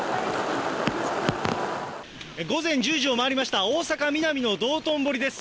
午前１０時を回りました、大阪・ミナミの道頓堀です。